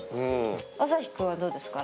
アサヒくんはどうですか？